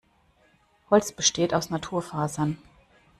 Holz besteht aus Naturfasern.